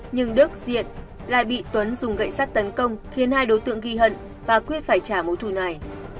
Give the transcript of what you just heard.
nhưng đức diện lại bị tuấn dùng gậy sắt tấn công khiến hai đối tượng ghi hận và quyết phải trả mối thủ này